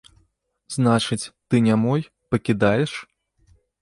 Значыць, ты не мой, пакідаеш?